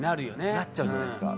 なっちゃうじゃないですか。